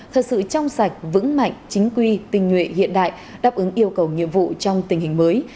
thật sự trong sạch vững mạnh chính quy tình nguyện hiện đại đáp ứng yêu cầu nhiệm vụ trong tình hình mới